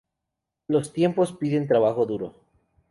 Los tiempos piden trabajo duro.